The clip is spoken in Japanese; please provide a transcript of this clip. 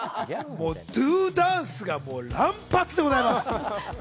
もうＤＯＤＡＮＣＥ！が乱発でございます。